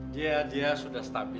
dia dia sudah stabil